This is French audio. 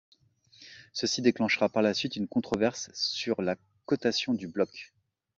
Ceci déclenchera par la suite une controverse sur la cotation du bloc.